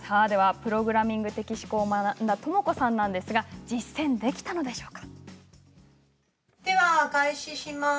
プログラミング的思考を学んだ、ともこさんですが実践できたのでしょうか。